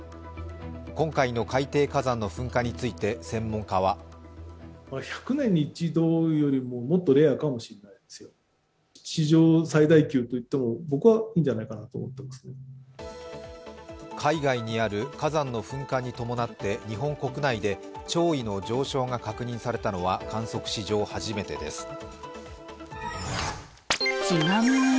今回の海底火山の噴火について専門家は海外にある火山の噴火に伴って日本国内で潮位の上昇が確認されたのは観測史上初めてです。